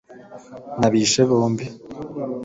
nabishe bombi